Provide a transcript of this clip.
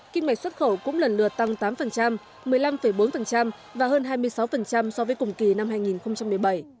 kinh mệnh xuất khẩu cũng lần lượt tăng tám một mươi năm bốn và hơn hai mươi sáu so với cùng kỳ năm hai nghìn một mươi bảy